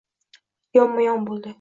Yonma-yon bo‘ldi.